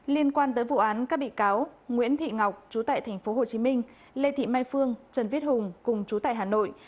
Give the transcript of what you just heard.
liên quan tới vụ án các bị cáo nguyễn thị ngọc chú tại tp hcm lê thị mai phương trần viết hùng cùng chú tại hà nội